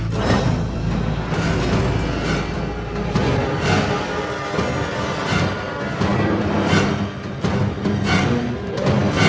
มันต้องกลับไปที่นี่